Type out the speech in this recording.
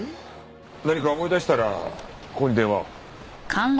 何か思い出したらここに電話を。